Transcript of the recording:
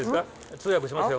通訳しますよ。